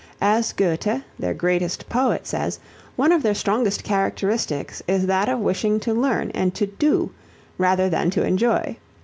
As Goethe, their greatest poet, says, one of their strongest characteristics is that of wishing to learn and to do rather than to enjoy.